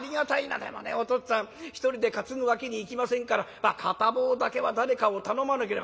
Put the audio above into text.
でもねお父っつぁん１人で担ぐわけにいきませんから片棒だけは誰かを頼まなければ」。